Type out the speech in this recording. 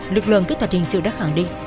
lực lượng kết hoạt hình sự đã khẳng định